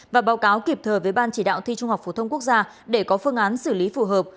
và báo cáo kịp thời với ban chỉ đạo thi trung học phổ thông quốc gia để có phương án xử lý phù hợp